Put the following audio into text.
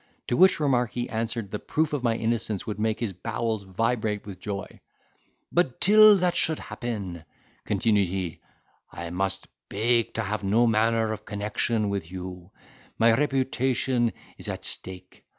To which remark he answered, the proof of my innocence would make his bowels vibrate with joy; "but till that shall happen," continued he, "I must beg to have no manner of connection with you—my reputation is at stake.